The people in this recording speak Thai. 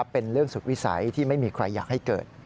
เป็นเรื่องสุดวิสัยที่ไม่มีใครอยากให้เกิด